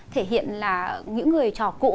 thể hiện là những người trò cũ